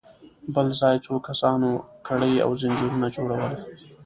بل ځای څو کسانو کړۍ او ځنځيرونه جوړل.